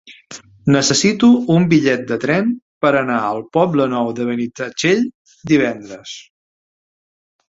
Necessito un bitllet de tren per anar al Poble Nou de Benitatxell divendres.